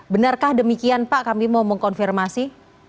benarkah demikian pak kami mau mengkonfirmasi